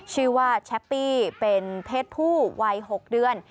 ชื่อว่าแชปปี้เป็นเพศผู้วัย๖เดือน